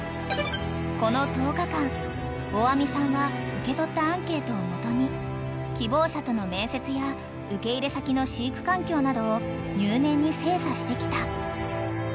［この１０日間大網さんは受け取ったアンケートを基に希望者との面接や受け入れ先の飼育環境などを入念に精査してきた］